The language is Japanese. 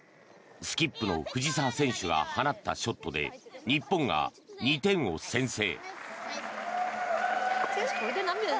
スキップの藤澤選手が放ったショットで日本が２点を先制。